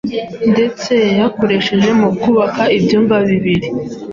ndetse yayakoresheje mu kubaka ibyumba bibiri,